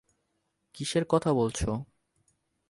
কীসের কথা বলছো?